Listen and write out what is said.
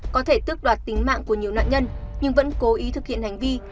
có thể tước đoạt tính mạng của nhiều nạn nhân nhưng vẫn cố ý thực hiện hành vi